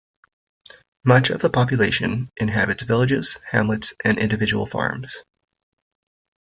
Much of the population inhabits villages, hamlets and individual farms.